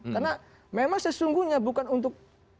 karena memang sesungguhnya bukan untuk